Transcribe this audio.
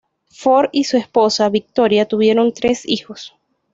Ford y su esposa, Victoria, tuvieron tres hijos.